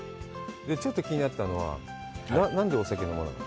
ちょっと気になったのは、何でお酒、飲まないの？